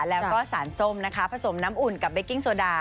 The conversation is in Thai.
แล้วก็สารส้มนะคะผสมน้ำอุ่นกับเบกกิ้งโซดา